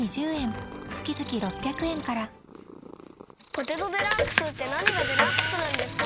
「ポテトデラックス」って何がデラックスなんですか？